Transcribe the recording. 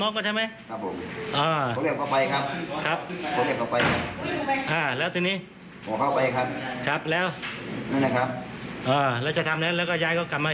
เด็กกำลังจะทำใช่ไหม